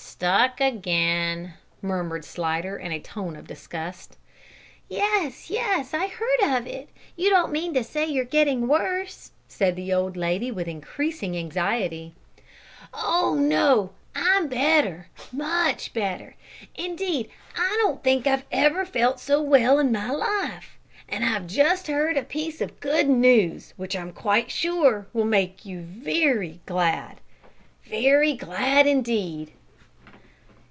"Stuck again!" murmured Slidder, in a tone of disgust. "Yes, yes; I heard of it. You don't mean to say that you're getting worse?" said the old lady, with increasing anxiety. "Oh no! I'm better much better. Indeed, I don't think I ever felt so well in my life; and I've just heard a piece of good news, which, I'm quite sure, will make you very glad very glad indeed!"